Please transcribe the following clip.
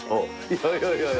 いやいやいやいや。